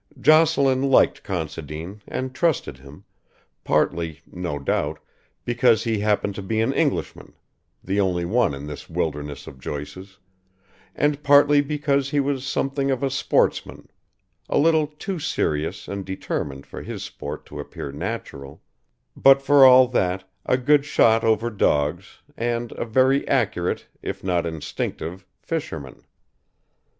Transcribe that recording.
Jocelyn liked Considine and trusted him, partly, no doubt, because he happened to be an Englishman the only one in this wilderness of Joyces and partly because he was something of a sportsman: a little too serious and determined for his sport to appear natural, but for all that a good shot over dogs, and a very accurate, if not instinctive fisherman.